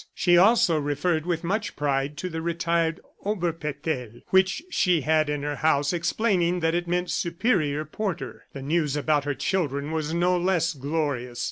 She also referred with much pride to the retired Oberpedell which she had in her house, explaining that that meant "Superior Porter." The news about her children was no less glorious.